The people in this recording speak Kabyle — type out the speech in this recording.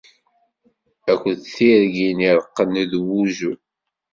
Akked tirgin ireqqen n wuzzu.